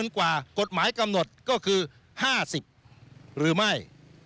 ก็คือ๕๐หรือไม่